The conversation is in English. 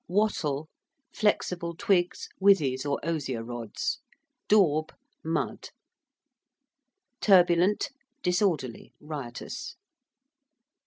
~wattle~: flexible twigs, withies, or osier rods: ~daub~, mud. ~turbulent~: disorderly, riotous.